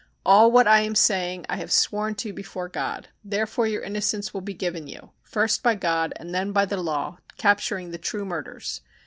All what I am saying I have sworn to before God. Therefore your innocence will be given you, first by God and then by the law, capturing the true murders.